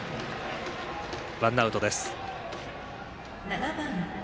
ワンアウトです。